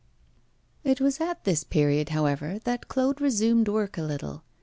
It was at this period, however, that Claude resumed work a little.